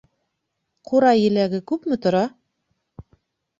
Ҡурай еләге күпме тора?